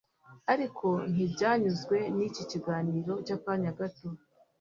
Ariko ntibanyuzwe n’iki kiganiro cy’akanya gato